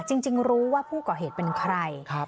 จริงรู้ว่าผู้ก่อเหตุเป็นใคร